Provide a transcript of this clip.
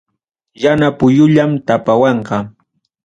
Yana puyullam tapawanqa.